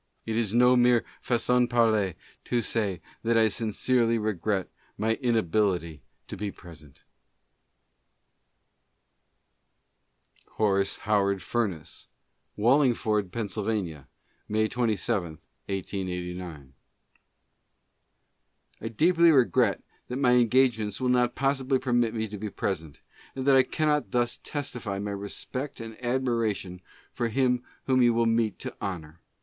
... It is no mere facon parler to say that I sin cerely regret my inability to be present. 64 LETTERS. Horace Howard Furness: Wallingford, Pa., May 27, 1889. I deeply regret that my engagements will not possibly permit me to be present, and that I cannot thus testify my respect and admiration for him whom you will meet to honor.